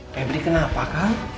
fabry kenapa kak